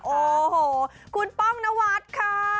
โอ้โหคุณป้องนวัดค่ะ